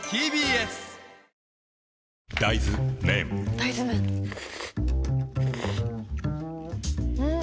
大豆麺ん？